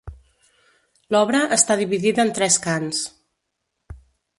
L'obra està dividida en tres cants.